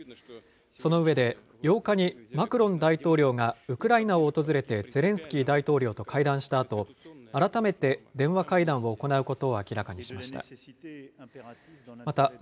その上で、８日にマクロン大統領がウクライナを訪れてゼレンスキー大統領と会談したあと、改めて電話会談を行うことを明らかにしました。